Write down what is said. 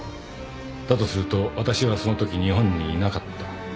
だとするとわたしはそのとき日本にいなかった。